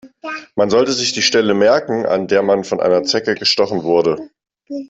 Man sollte sich die Stelle merken, an der man von einer Zecke gestochen wurde.